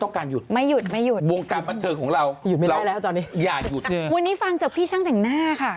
นายพูดเรื่องของการหยุดยาวอะไรไหมคะ